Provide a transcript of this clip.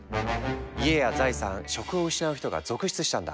家や財産職を失う人が続出したんだ。